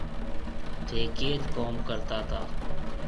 ٿي ڪيٿ ڪوم ڪرتا تا